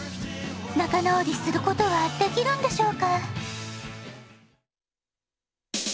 なかなおりすることはできるんでしょうか？